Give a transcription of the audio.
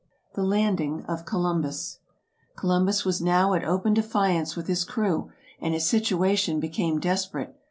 The Landing of Columbus Columbus was now at open defiance with his crew, and his situation became desperate.